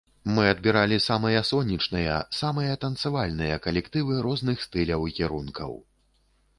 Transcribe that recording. Мы адбіралі самыя сонечныя, самыя танцавальныя калектывы розных стыляў і кірункаў.